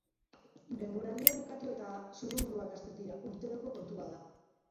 Denboraldia bukatu eta zurrumurruak hasten dira, urteroko kontua da.